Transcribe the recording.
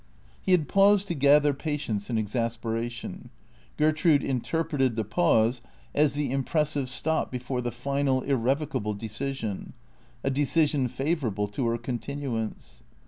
He had paused to gather patience in exasperation. Gertrude interpreted the pause as the impressive stop before the final, irrevocable decision; a decision favourable to her continuance.